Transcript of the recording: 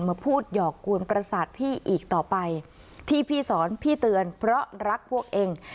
มาพูดหยอกกวนประสาทพี่อีกต่อไปที่พี่สอนพี่เตือนเพราะรักพวกเอง